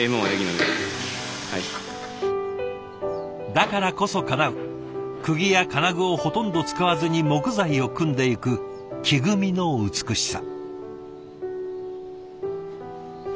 だからこそかなうくぎや金具をほとんど使わずに木材を組んでいく木組みの美しさ。